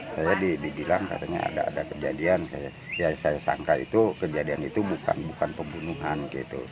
saya dibilang katanya ada kejadian yang saya sangka itu kejadian itu bukan pembunuhan gitu